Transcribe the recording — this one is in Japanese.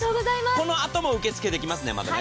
このあとも受け付けできますね、まだね。